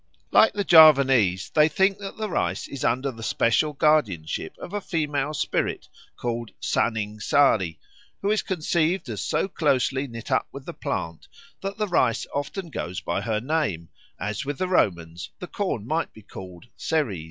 Like the Javanese they think that the rice is under the special guardianship of a female spirit called Saning Sari, who is conceived as so closely knit up with the plant that the rice often goes by her name, as with the Romans the corn might be called Ceres.